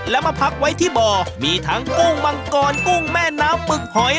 และมาพักไว้ที่บ่อมีทั้งกุ้งมังกรกุ้งแม่น้ำหมึกหอย